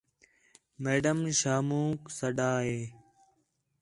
میڈم شامونک سݙا ہے